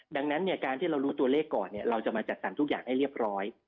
ดังนั้นการที่เรารู้ตัวเลขก่อนเราจะมาจัดสรรทุกอย่างให้เรียบร้อย